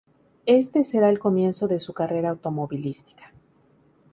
Este será el comienzo de su carrera automovilística.